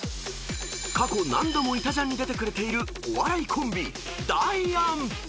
［過去何度も『いたジャン』に出てくれているお笑いコンビ］